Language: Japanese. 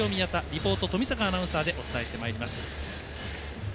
リポート冨坂アナウンサーでお伝えしてまいります。